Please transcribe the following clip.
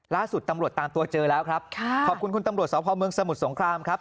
ล่าสุดตำรวจตามตัวเจอแล้วครับค่ะขอบคุณคุณตำรวจสพเมืองสมุทรสงครามครับ